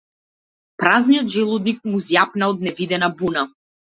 Празниот желудник му зјапна од невидена буна.